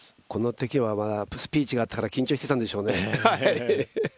このときはまだスピーチがあったから、緊張していたんでしょうね。